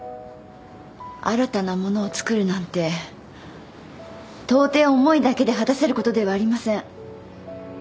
新たなものをつくるなんてとうてい思いだけで果たせることではありません。